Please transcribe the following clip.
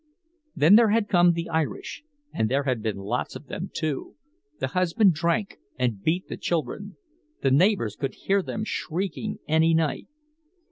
Then there had come the Irish, and there had been lots of them, too; the husband drank and beat the children—the neighbors could hear them shrieking any night.